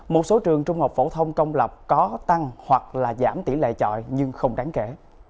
một số trường trung học phổ thông công lập có tăng hoặc là giảm tỷ lệ trọi nhưng không đáng kể